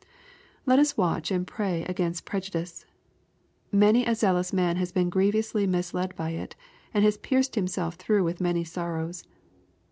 Let us watch and pray against prejudice. Many a zealous man has been grievously misled by it, and has pierced himself through with many sorrows.